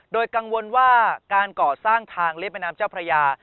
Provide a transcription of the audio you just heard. โดยกังวลว่าการก่อสร้างทางเรียบแม่น้ำเจ้าพระยา